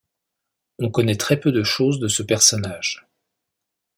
On connaît très peu de choses de ce personnage.